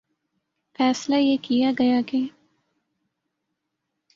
فیصلہ یہ کیا گیا کہ